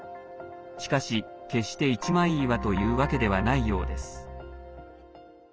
しかし、決して一枚岩というわけではないようです。